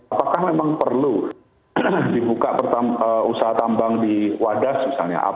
apakah memang perlu dibuka usaha tambang di wadas misalnya